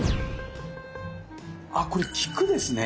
あこれ菊ですね。